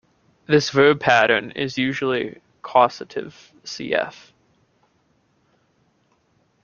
This verb-pattern is usually causative, cf.